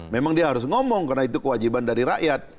memang dia harus ngomong karena itu kewajiban dari rakyat